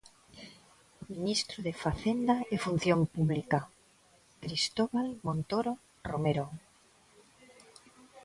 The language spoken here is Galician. Ministro de Facenda e Función Pública: Cristóbal Montoro Romero.